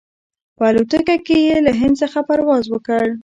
په الوتکه کې یې له هند څخه پرواز وکړ.